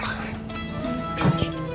masa saya duduk sendiri